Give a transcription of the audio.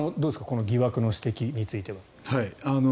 この疑惑の指摘については。